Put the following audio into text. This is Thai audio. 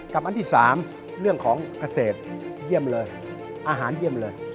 อันที่๓เรื่องของเกษตรเยี่ยมเลยอาหารเยี่ยมเลย